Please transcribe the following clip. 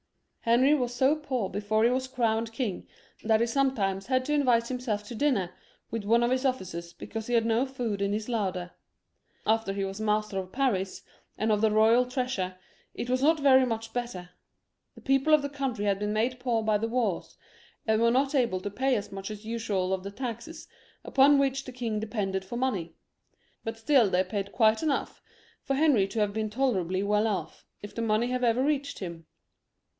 Henry was so poor before he was crowned king, that he sometimes had to invite himself to dinner with one of his officers, because he had no food in his larder. After he was master of Paris and of the royal treasure, it was not very much better. The people of the country had been made poor by the wars, and were not able to pay so many as usual of the taxes upon which the king depended for money, but still they paid quite enough for Henry to have been tolerably well off, if the money had ever reached him.